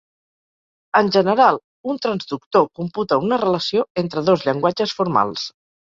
En general, un transductor computa una relació entre dos llenguatges formals.